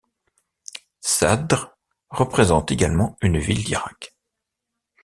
Sadr représente également une ville d'Irak.